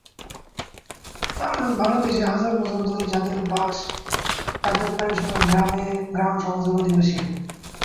বাংলাদেশে হাজার বছর ধরে যাঁদের বাস, তাঁদের প্রায় সবাই গ্রাম–সমাজের অধিবাসী।